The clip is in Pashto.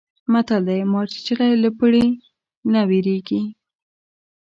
متل دی: مار چیچلی له پړي نه وېرېږي.